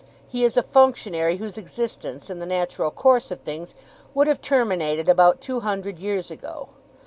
He is a functionary whose existence, in the natural course of things, would have terminated about two hundred years ago.